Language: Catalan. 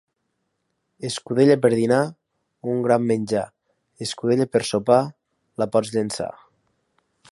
Escudella per dinar, un gran menjar; escudella per sopar, la pots llençar.